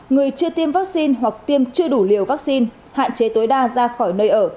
người chưa tiêm vaccine hoặc tiêm chưa đủ liều vaccine hạn chế tối đa ra khỏi nơi ở